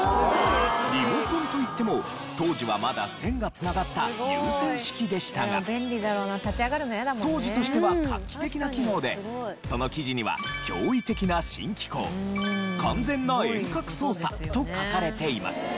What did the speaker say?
リモコンといっても当時はまだ線が繋がった有線式でしたが当時としては画期的な機能でその記事には。と書かれています。